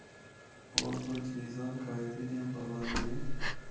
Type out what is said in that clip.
ہور کوئی چیزاں قائدے دیاں پابند نیں۔